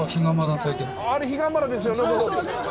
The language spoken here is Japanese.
あれ彼岸花ですよね。